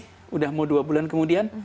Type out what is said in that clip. sudah mau dua bulan kemudian